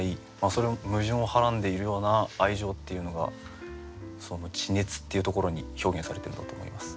その矛盾をはらんでいるような愛情っていうのがその「地熱」っていうところに表現されてるんだと思います。